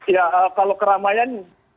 ya kalau keramaian